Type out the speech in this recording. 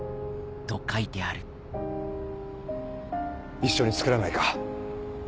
一緒に作らないか？